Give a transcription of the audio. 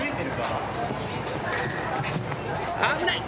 危ない！